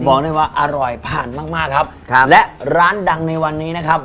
บอกได้ว่าอร่อยผ่านมากมากครับครับและร้านดังในวันนี้นะครับ